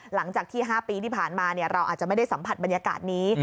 หลังจากที่๕ปีที่ผ่านมาเราอาจจะไม่ได้สัมผัสบรรยากาศนี้